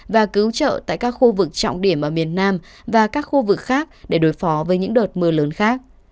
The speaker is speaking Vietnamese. và cứu trợ tại các khu vực trọng điểm ở miền nam và các khu vực khác để đối phó với những đợt mưa lớn khác